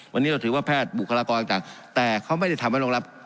วันนี้เราถือว่าแพทย์บุคลากรต่างแต่เขาไม่ได้ทำให้รองรับ